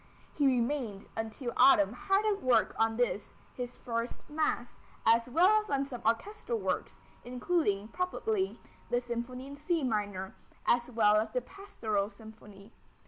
He remained until autumn hard at work on this, his first mass, as well as on some orchestral works, including, probably the Symphony in C minor, as well as the Pastoral Symphony.